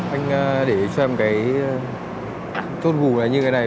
anh để cho em cái chốt vù này như thế này